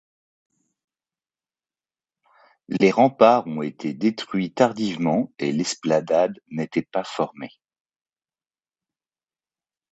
Les remparts ont été détruits tardivement et l'esplanade n'était pas formée.